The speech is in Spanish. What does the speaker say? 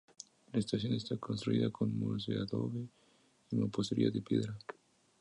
La estación está construida con muros de adobe y mampostería de piedra.